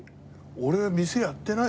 俺店やってないよ。